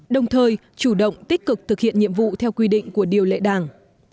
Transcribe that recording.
đồng thời chủ động tích cực thực hiện nhiệm vụ theo quy định của điều lệ đảng